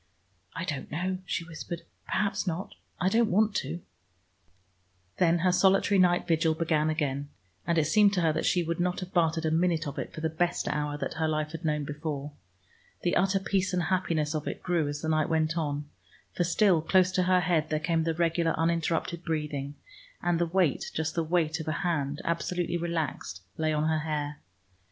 "I don't know," she whispered. "Perhaps not. I don't want to." Then her solitary night vigil began again, and it seemed to her that she would not have bartered a minute of it for the best hour that her life had known before. The utter peace and happiness of it grew as the night went on, for still close to her head there came the regular uninterrupted breathing, and the weight, just the weight of a hand absolutely relaxed, lay on her hair.